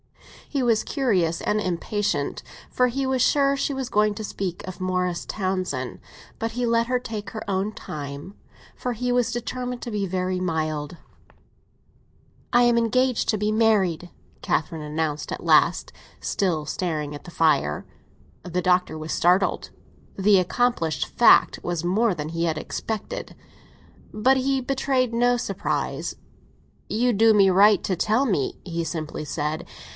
He was curious and impatient, for he was sure she was going to speak of Morris Townsend; but he let her take her own time, for he was determined to be very mild. "I am engaged to be married!" Catherine announced at last, still staring at the fire. The Doctor was startled; the accomplished fact was more than he had expected. But he betrayed no surprise. "You do right to tell me," he simply said.